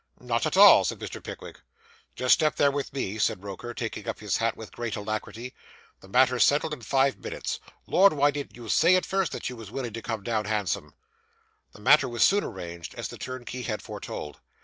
'Not at all,' said Mr. Pickwick. 'Just step there with me,' said Roker, taking up his hat with great alacrity; 'the matter's settled in five minutes. Lord! why didn't you say at first that you was willing to come down handsome?' The matter was soon arranged, as the turnkey had foretold.